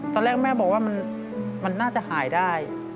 ตอนแรกแม่บอกว่ามันน่าจะหายได้